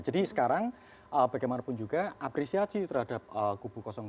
sekarang bagaimanapun juga apresiasi terhadap kubu dua